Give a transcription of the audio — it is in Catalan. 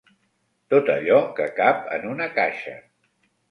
Tot allò que cap en una caixa.